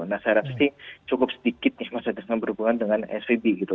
nah saya rasa sih cukup sedikit nih mas adas yang berhubungan dengan svb gitu